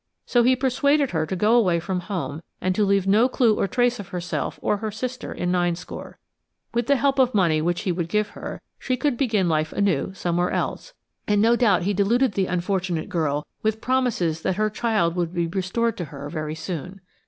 So he persuaded her to go away from home and to leave no clue or trace of herself or her sister in Ninescore. With the help of money which he would give her, she could begin life anew somewhere else, and no doubt he deluded the unfortunate girl with promises that her child would be restored to her very soon.